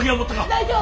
大丈夫！